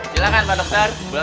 silahkan pak dokter